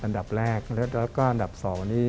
อันดับแรกแล้วก็อันดับ๒นี่